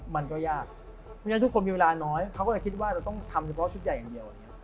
เปล่าชุดใหญ่อย่างเดียว